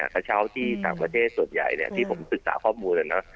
กระเช้าที่ต่างประเทศส่วนใหญ่ที่ผมศึกษาข้อมูล